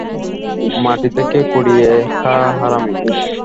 মাটি থেকে কুড়িয়ে খা, হারামি!